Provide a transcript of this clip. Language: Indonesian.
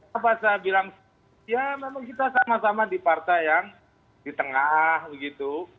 apa saya bilang ya memang kita sama sama di partai yang di tengah begitu